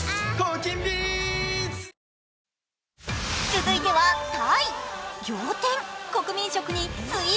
続いてはタイ。